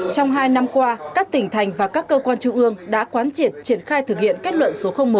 trong hai năm qua các tỉnh thành và các cơ quan trung ương đã quán triệt triển khai thực hiện kết luận số một